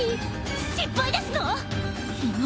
失敗ですの？